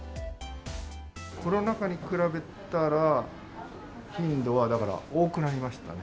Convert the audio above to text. コロナ禍に比べたら、頻度は、だから多くなりましたね。